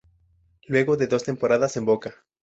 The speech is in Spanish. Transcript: Luego de dos temporadas en Boca.